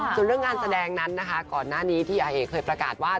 ส่วนเรื่องงานแสดงนั้นนะคะก่อนหน้านี้ที่อาเอกเคยประกาศว่า